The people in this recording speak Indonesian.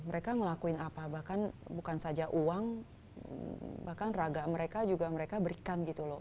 mereka ngelakuin apa bahkan bukan saja uang bahkan raga mereka juga mereka berikan gitu loh